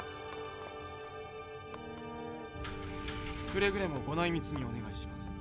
くれぐれもご内密にお願いします。